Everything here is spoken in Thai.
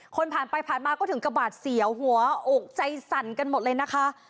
ผ่านไปผ่านมาก็ถึงกระบาดเสียวหัวอกใจสั่นกันหมดเลยนะคะ